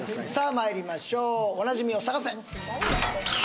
まいりましょうおなじみを探せ